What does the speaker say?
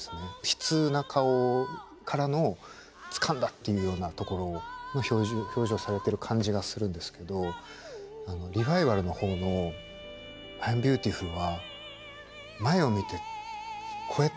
悲痛な顔からのつかんだ！っていうようなところの表情をされてる感じがするんですけどリバイバルの方の「アイムビューティフル」は前を見てこうやって言うんですよね。